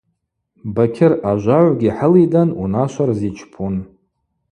Бакьыр ажвагӏвгьи хӏылидан унашва рзичпун.